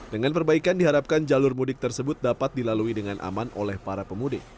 dengan perbaikan diharapkan jalur mudik tersebut dapat dilalui dengan aman oleh para pemudik